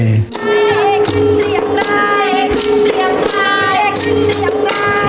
ด๊วยเอ๋เอ๊กอันย์จะอย่างไร